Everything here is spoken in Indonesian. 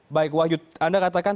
baik wahyu anda katakan tiga korban